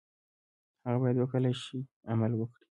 هغه باید وکولای شي عمل وکړي.